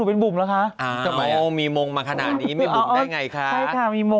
โอ้ยน่างาม